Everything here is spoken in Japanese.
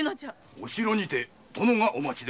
お城にて殿がお待ちで。